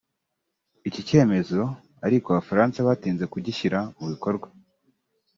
Iki cyemezo ariko Abafaransa batinze kugishyira mu bikorwa